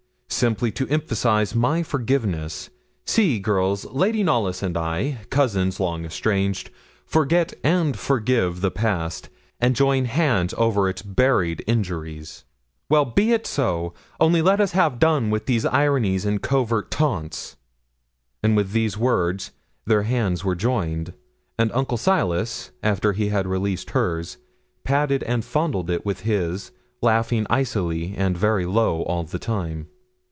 simply to emphasize my forgiveness. See, girls, Lady Knollys and I, cousins long estranged, forget and forgive the past, and join hands over its buried injuries.' 'Well, be it so; only let us have done with ironies and covert taunts.' And with these words their hands were joined; and Uncle Silas, after he had released hers, patted and fondled it with his, laughing icily and very low all the time.